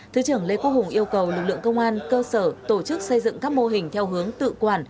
thứ trưởng lê quốc hùng yêu cầu lực lượng công an cơ sở tổ chức xây dựng các mô hình theo hướng tự quản